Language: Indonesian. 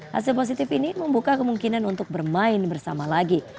hasil positif ini membuka kemungkinan untuk bermain bersama lagi